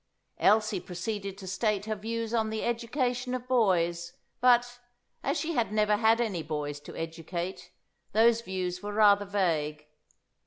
Elsie proceeded to state her views on the education of boys; but, as she had never had any boys to educate, those views were rather vague.